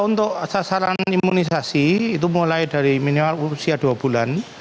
untuk sasaran imunisasi itu mulai dari minimal usia dua bulan